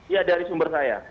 ya dari sumber saya